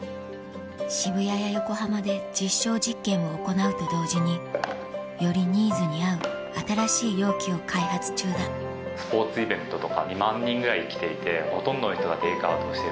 渋谷や横浜で実証実験を行うと同時によりニーズに合う新しい容器を開発中だスポーツイベントとか２万人ぐらい来ていてほとんどの人がテイクアウトをしてる。